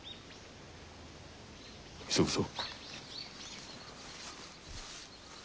急ぐぞ。